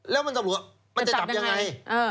แล้วมันจะจับยังไง